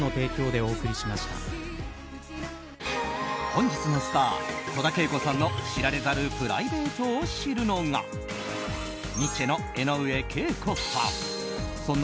本日のスター戸田恵子さんの知られざるプライベートを知るのがニッチェの江上敬子さん。